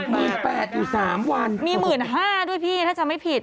๑๘๐๐๐บาทอยู่๓วันมี๑๕๐๐๐บาทด้วยพี่ถ้าจะไม่ผิด